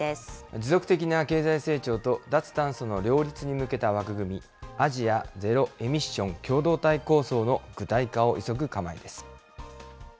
持続的な経済成長と、脱炭素の両立に向けた枠組み、アジア・ゼロエミッション共同体構想の具体化を急ぐ構えです。